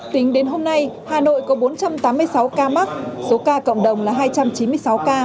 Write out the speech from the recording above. tính đến hôm nay hà nội có bốn trăm tám mươi sáu ca mắc số ca cộng đồng là hai trăm chín mươi sáu ca